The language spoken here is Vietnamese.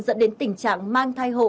dẫn đến tình trạng mang thai hộ